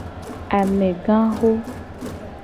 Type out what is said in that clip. Amegaxo.